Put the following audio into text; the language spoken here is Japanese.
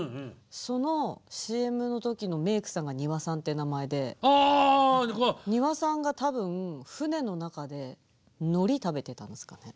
そのＣＭの時のメークさんがにわさんって名前でにわさんが多分船の中でノリ食べてたんですかね。